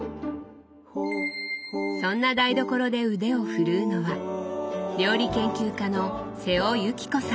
そんな台所で腕を振るうのは料理研究家の瀬尾幸子さん。